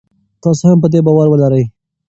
تاسي هم په دې باور ولرئ.